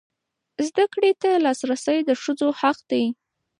زده کړې ته لاسرسی د ښځو حق دی.